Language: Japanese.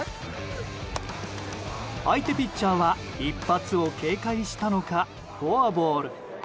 相手ピッチャーは一発を警戒したのかフォアボール。